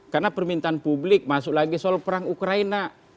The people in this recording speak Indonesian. karena permintaan publik masuk lagi soal perang ukraina